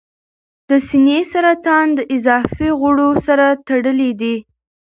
د سینې سرطان د اضافي غوړو سره تړلی دی.